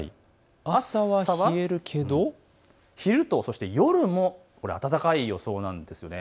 朝は冷えるけれど、昼と夜も暖かい予想なんです。